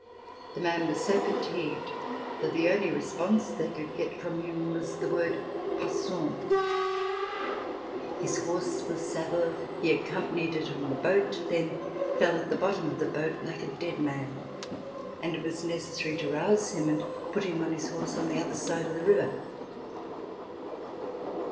The man was so fatigued that the only response they could get from him was the word: "Passons." His horse was saddled, he accompanied it on the boat, then fell at the bottom of the boat like a dead man and it was necessary to rouse him and put him on his horse at the other side of the river.